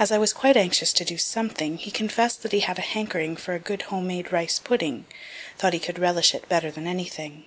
As I was quite anxious to do something, he confess'd that he had a hankering for a good home made rice pudding thought he could relish it better than anything.